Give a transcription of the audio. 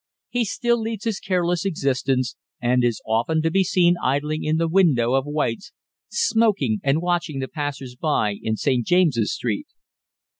He still leads his careless existence, and is often to be seen idling in the window of White's, smoking and watching the passers by in St. James's Street.